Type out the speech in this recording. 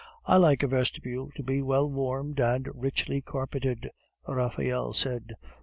"I like a vestibule to be well warmed and richly carpeted," Raphael said.